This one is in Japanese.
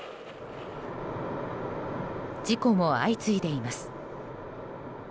事故も相次いでいます。